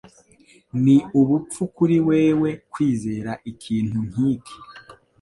Ni ubupfu kuri wewe kwizera ikintu nk'iki.